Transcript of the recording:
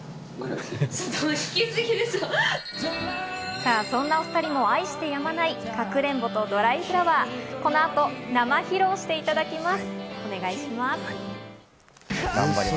さぁ、そんなお２人も愛してやまない『かくれんぼ』と『ドライフラワー』、この後、生披露していただきます。